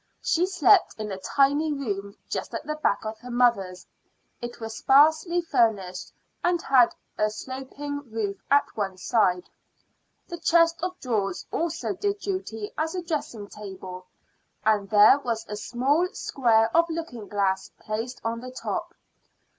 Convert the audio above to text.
She slept in a tiny room just at the back of her mother's; it was sparsely furnished, and had a sloping roof at one side. The chest of drawers also did duty as a dressing table, and there was a small square of looking glass placed on the top.